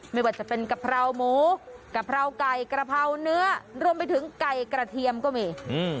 ไม่ว่าจะเป็นกะเพราหมูกะเพราไก่กระเพราเนื้อรวมไปถึงไก่กระเทียมก็มี